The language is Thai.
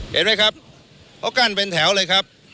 เห็นไหมครับเขากั้นเป็นแถวเลยครับ